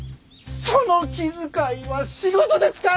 その気遣いは仕事で使え！